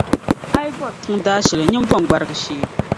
A yi bɔri tiŋa daashili nyin bomi gbarigu shee